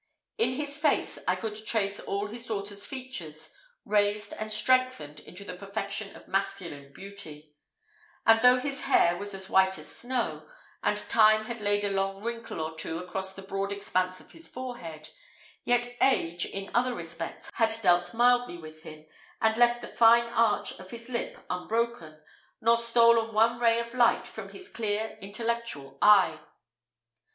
In his face I could trace all his daughter's features, raised and strengthened into the perfection of masculine beauty; and, though his hair was as white as snow, and time had laid a long wrinkle or two across the broad expanse of his forehead, yet age, in other respects, had dealt mildly with him, and left the fine arch of his lip unbroken, nor stolen one ray of light from his clear intellectual eye.